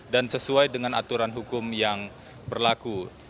dan sesuai dengan aturan hukum yang berlaku